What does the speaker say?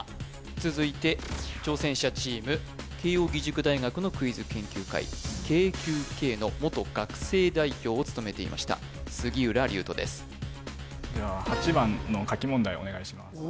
続いて挑戦者チーム慶應義塾大学のクイズ研究会ＫＱＫの元学生代表を務めていました杉浦隆斗ですでは８番の書き問題をお願いします